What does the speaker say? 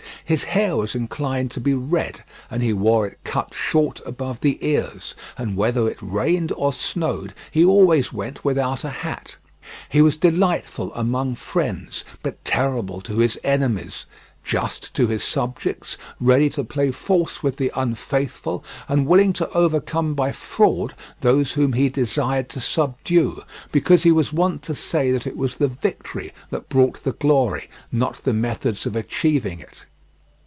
His hair was inclined to be red, and he wore it cut short above the ears, and, whether it rained or snowed, he always went without a hat. He was delightful among friends, but terrible to his enemies; just to his subjects; ready to play false with the unfaithful, and willing to overcome by fraud those whom he desired to subdue, because he was wont to say that it was the victory that brought the glory, not the methods of achieving it.